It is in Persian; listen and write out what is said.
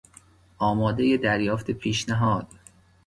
آماده دریافت پیشنهاد